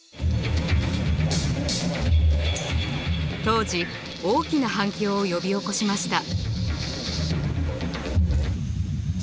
当時大きな反響を呼び起こしました。